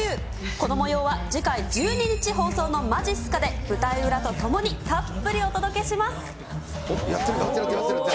このもようは次回１２日放送のまじっすかで舞台裏とともにたっぷやってる、やってる。